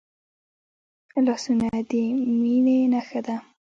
لاسونه د میننې نښه ده